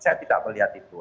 saya tidak melihat itu